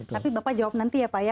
tapi bapak jawab nanti ya pak ya